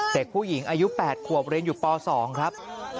เด็กผู้หญิงอายุ๘ขวบเรียนอยู่ป๒ครับ